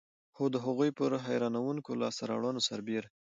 خو د هغې پر حیرانوونکو لاسته راوړنو سربېر.